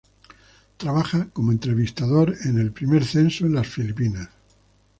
Trabaja como entrevistador en el primer censo en las Filipinas.